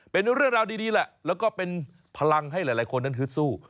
เป็นเรื่องราวดีแหละแล้วก็เป็นพลังให้หลายคนนั้นฮึดสู้